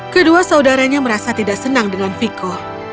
kedua saudaranya merasa tidak senang dengan viko